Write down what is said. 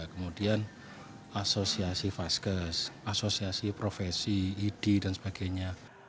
kemudian asosiasi faskes asosiasi profesi id dan sebagainya